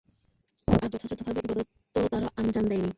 আর যথাযথভাবে ইবাদতও তারা আঞ্জাম দেয়নি।